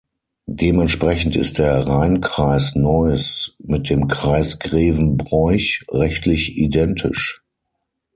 Dementsprechend ist der Rhein-Kreis Neuss mit dem Kreis Grevenbroich rechtlich identisch.